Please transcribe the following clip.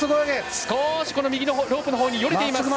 右のロープのほうによれています。